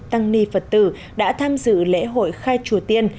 tăng ni phật tử đã tham dự lễ hội khai chùa tiên